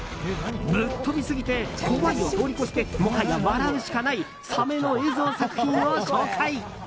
ぶっ飛びすぎて怖いを通り越してもはや笑うしかないサメの映像作品を紹介。